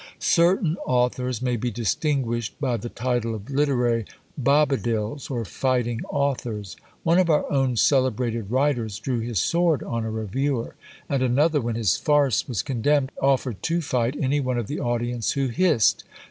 Certain authors may be distinguished by the title of LITERARY BOBADILS, or fighting authors. One of our own celebrated writers drew his sword on a reviewer; and another, when his farce was condemned, offered to fight any one of the audience who hissed.